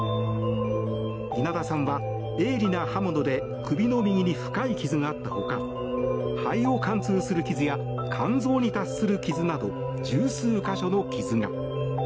稲田さんは、鋭利な刃物で首の右に深い傷があった他肺を貫通する傷や肝臓に達する傷など十数か所の傷が。